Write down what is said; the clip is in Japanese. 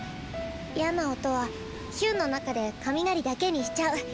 嫌な音はヒュンの中で雷だけにしちゃう。